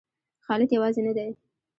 خالد یوازې نه دی.